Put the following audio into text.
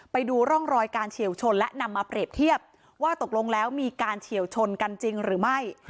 ไปดูร่องรอยการเฉียวชนและนำมาเปรียบเทียบว่าตกลงแล้วมีการเฉียวชนกันจริงหรือไม่